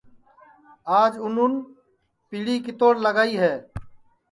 آج اُنون پیڑی کِتوڑ لگائی ہے